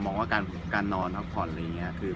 ก็นอกล่างว่าการนอนอะไรอย่างงี้คือ